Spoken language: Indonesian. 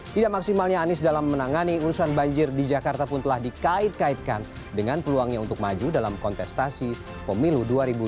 tidak maksimalnya anies dalam menangani urusan banjir di jakarta pun telah dikait kaitkan dengan peluangnya untuk maju dalam kontestasi pemilu dua ribu dua puluh